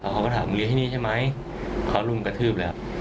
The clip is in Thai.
เขาก็ถามเรียนที่นี่ใช่ไหมเขารุมกระทืบแล้ว